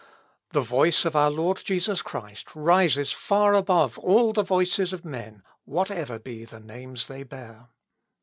"The voice of our Lord Jesus Christ rises far above all the voices of men, whatever be the names they bear.